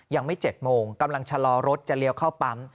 ยังไม่๗โมงกำลังชะลอรถจะเลี้ยวเข้าปั๊ม